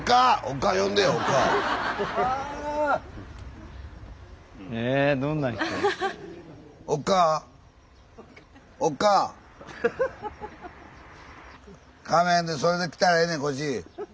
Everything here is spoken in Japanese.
構へんでそれで来たらええねんこっち。